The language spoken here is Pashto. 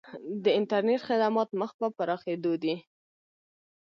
د انټرنیټ خدمات مخ په پراخیدو دي